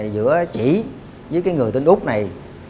giữa chị với người tên úc này